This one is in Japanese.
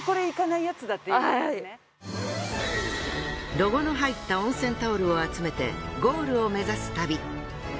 ロゴの入った温泉タオルを集めてゴールを目指す旅。